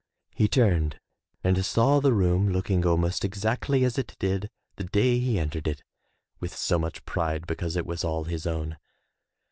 He turned and saw the room looking almost exactly as it did the day he entered it with so much pride because it was all his own.